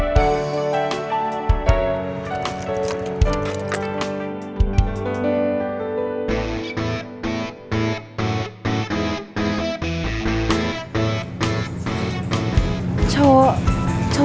saya sudah berpajak menunggumu